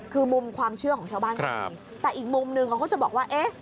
คือมุมความเชื่อของชาวบ้านก็มีแต่อีกมุมนึงเขาก็จะบอกว่าเอ๊ะ